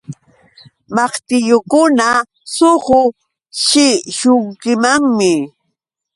Maqtillukuna suquchishunkimanmi.